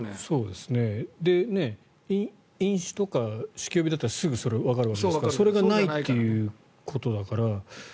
で、飲酒とか酒気帯びだったらすぐにそれがわかるわけですからそれがないということだから。